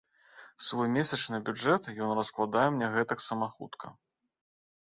Свой месячны бюджэт ён раскладае мне гэтаксама хутка.